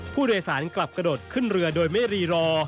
ผู้โดยสารกลับกระโดดขึ้นเรือโดยไม่รีรอ